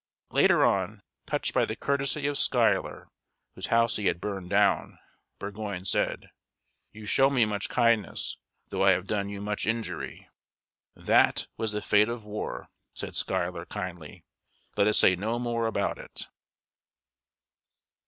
Later on, touched by the courtesy of Schuyler, whose house he had burned down, Burgoyne said: "You show me much kindness, though I have done you much injury." "That was the fate of war," said Schuyler, kindly; "let us say no more about it."